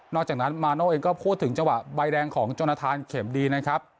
จากนั้นมาโน่เองก็พูดถึงจังหวะใบแดงของจนทานเข็มดีนะครับ